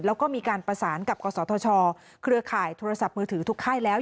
แล้วก็มีการประสานกับกศธชเครือข่ายโทรศัพท์มือถือทุกค่ายแล้ว